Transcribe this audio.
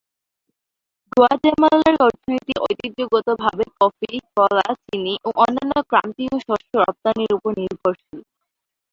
গুয়াতেমালার অর্থনীতি ঐতিহ্যগতভাবে কফি, কলা, চিনি ও অন্যান্য ক্রান্তীয় শস্য রপ্তানির উপর নির্ভরশীল।